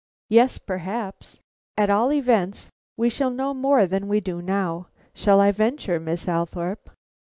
"Yes, perhaps." "At all events, we shall know more than we do now. Shall I venture, Miss Althorpe?"